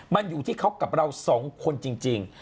มันอยู่ที่เขากับเราสองคนจริง